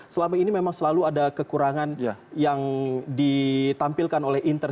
selama ini memang selalu ada kekurangan yang ditampilkan oleh inter